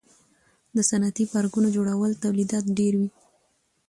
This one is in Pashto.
د صنعتي پارکونو جوړول تولیدات ډیروي.